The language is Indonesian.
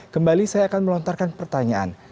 kembali saya akan melontarkan pertanyaan